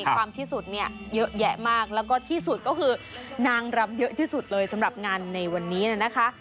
ความที่สุดเนี่ยเยอะแยะมากแล้วก็ที่สุดก็คือนางรำเยอะที่สุดเลยสำหรับงานในวันนี้นะคะ